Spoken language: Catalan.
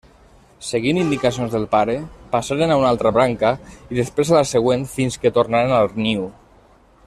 Seguint indicacions del pare, passaren a una altra branca, i després a la següent fins que tornaren al niu.